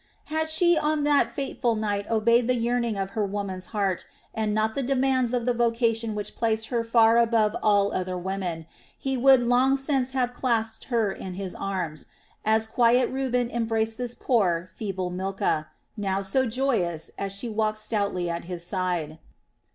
Had she on that fateful night obeyed the yearning of her woman's heart and not the demands of the vocation which placed her far above all other women, he would long since have clasped her in his arms, as quiet Reuben embraced his poor, feeble Milcah, now so joyous as she walked stoutly at his side.